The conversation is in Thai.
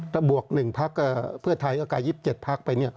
ถ้าบวก๑พักเพื่อไทยก็กลาย๒๗พักไป